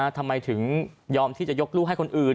ทำไมถึงยอมที่จะยกลูกให้คนอื่น